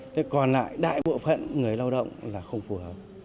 thế còn lại đại bộ phận người lao động là không phù hợp